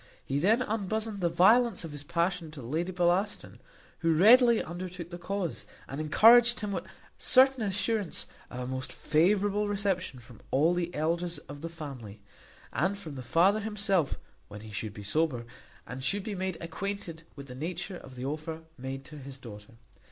He then unbosomed the violence of his passion to Lady Bellaston, who readily undertook the cause, and encouraged him with certain assurance of a most favourable reception from all the elders of the family, and from the father himself when he should be sober, and should be made acquainted with the nature of the offer made to his daughter.